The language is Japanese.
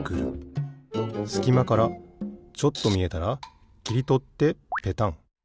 すきまからちょっとみえたらきりとってペタン。